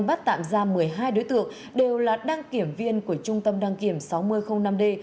bắt tạm ra một mươi hai đối tượng đều là đăng kiểm viên của trung tâm đăng kiểm sáu nghìn năm d